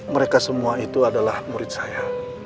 mereka semua itu adalah murid saya